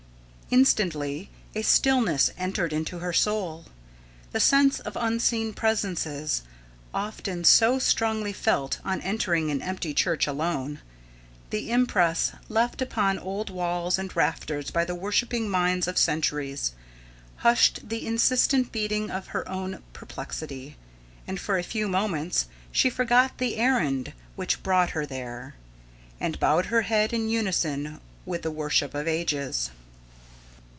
Instantly a stillness entered into her soul. The sense of unseen presences, often so strongly felt on entering an empty church alone, the impress left upon old walls and rafters by the worshipping minds of centuries, hushed the insistent beating of her own perplexity, and for a few moments she forgot the errand which brought her there, and bowed her head in unison with the worship of ages.